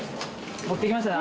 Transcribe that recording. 持ってきました